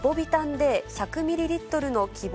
Ｄ１００ミリリットルの希望